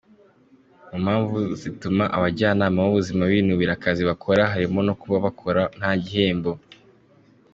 Mu mpamvu zituma abajyanama b’ ubuzima binubira akazi bakora harimo kuba bakora nta gihembo.